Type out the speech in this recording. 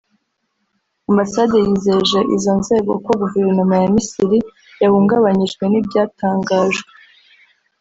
Ambasade yizeje izo nzego ko Guverinoma ya Misiri yahungabanyijwe n’ibyatangajwe